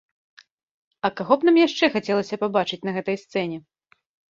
А каго б нам яшчэ хацелася пабачыць на гэтай сцэне?